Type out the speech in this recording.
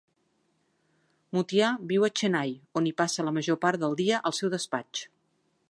Muthiah viu a Chennai, on hi passa la major part del dia al seu despatx.